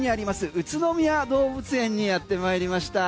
宇都宮動物園にやってまいりました。